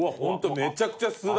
めちゃくちゃ酢だ。